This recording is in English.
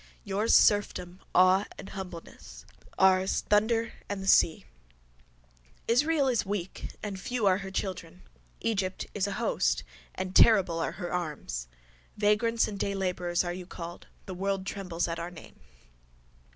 Yours serfdom, awe and humbleness: ours thunder and the seas. Israel is weak and few are her children: Egypt is an host and terrible are her arms. Vagrants and daylabourers are you called: the world trembles at our name.